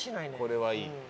「これはいい」